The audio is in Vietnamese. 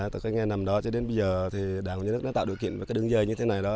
từ cái ngày nằm đó cho đến bây giờ thì đảng hội nhân đức nó tạo được kiện với cái đường dây như thế này đó